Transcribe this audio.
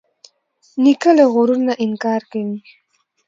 نیکه له غرور نه انکار کوي.